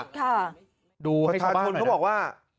ครับดูให้เข้าบ้างหน่อยนะ